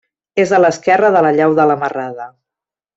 És a l'esquerra de la llau de la Marrada.